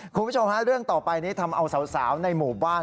คุณผู้ชมฮะเรื่องต่อไปนี้ทำเอาสาวในหมู่บ้าน